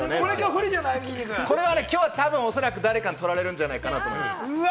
きょうおそらく誰かに取られるんじゃないかと思います。